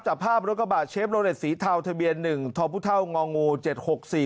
จับภาพรถกระบะเชฟโลเลสสีเทาทะเบียนหนึ่งทอพุเท่างองูเจ็ดหกสี่